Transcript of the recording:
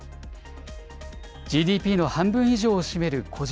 ＧＤＰの半分以上を占める個人